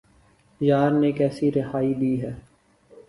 یار نے کیسی رہائی دی ہے